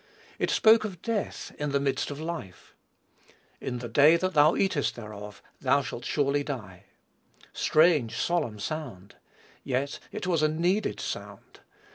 It spoke of death in the midst of life. "In the day that thou eatest thereof, thou shalt surely die." Strange, solemn sound! Yet, it was a needed sound.